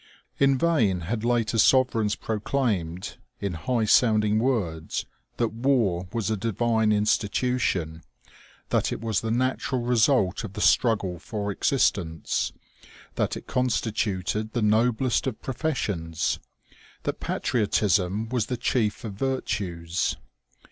In vain had later sovereigns proclaimed, in high sounding words, that war was a divine institution ; that it was the natural result of the struggle for existence ; that it constituted the noblest of professions ; that patriot ism was the chief of virtues.